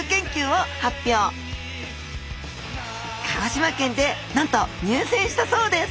鹿児島県でなんと入選したそうです。